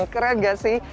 keren gak sih